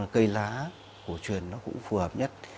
cây lá cổ truyền nó cũng phù hợp nhất